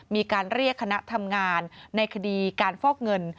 มีการเรียกคณะทำงานในคดีการฟอกเงิน